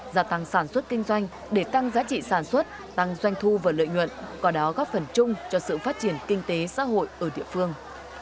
gia tăng sản xuất kinh doanh để tăng giá trị sản xuất tăng doanh thu và lợi nhuận có đó góp phần chung cho sự phát triển kinh tế xã hội ở địa phương